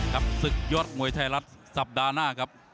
ศึกยอดมวยไทยรัฐสัปดาห์หน้าครับ